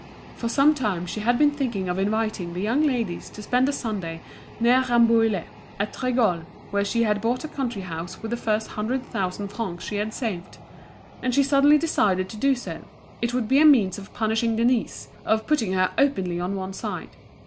For some time she had been thinking of inviting the young ladies to spend a Sunday near Rambouillet, at Rigolles, where she had bought a country house with the first hundred thousand francs she had saved; and she suddenly decided to do so; it would be a means of punishing Denise, of putting her openly on one side.